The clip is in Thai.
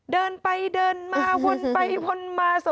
เดินไปเดินมาวนไปวนมา